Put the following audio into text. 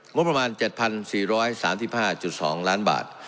งบประมาณ๗๔๓๕๒ล้านบาท